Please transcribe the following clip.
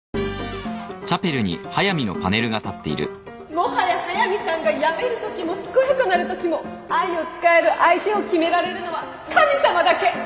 もはや速見さんが病めるときも健やかなるときも愛を誓える相手を決められるのは神様だけ！